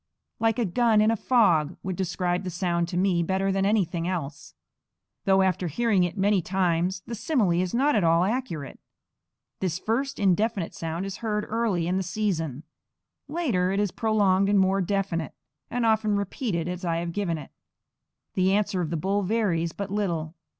'Like a gun in a fog' would describe the sound to me better than anything else, though after hearing it many times the simile is not at all accurate. This first indefinite sound is heard early in the season. Later it is prolonged and more definite, and often repeated as I have given it. The answer of the bull varies but little.